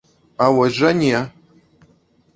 А вось жа не!